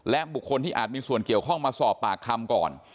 และบุคคลที่อาจมีส่วนเกี่ยวข้องมาสอบปากคำก่อน